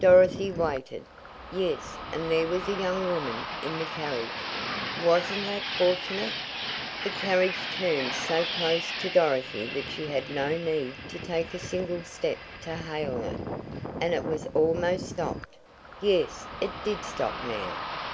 Dorothy waited. Yes, and there was a young woman in the carriage. Wasn't that fortunate? The carriage turned so close to Dorothy that she had no need to take a single step to hail it. And it was almost stopped, yes; it did stop now.